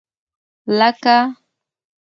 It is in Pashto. لکه.